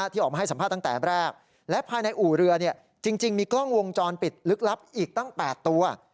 ที่ออกมาให้สัมภาษณ์ตั้งแต่แรกและภายในอู่เรือจริงมีกล้องวงจรปิดลึกลับอีกตั้ง๘ตัว